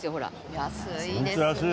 安いですね。